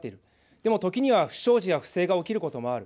でも時には不祥事や不正が起きることもある。